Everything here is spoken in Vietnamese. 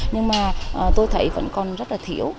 nhưng mà tôi thấy vẫn còn rất là thiếu